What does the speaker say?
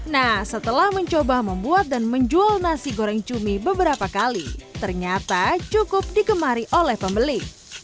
nah setelah mencoba membuat dan menjual nasi goreng cumi beberapa kali ternyata cukup digemari oleh pembeli